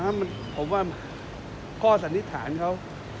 มันไม่ได้รอดเลยครับผมว่าข้อสันนิษฐานเขา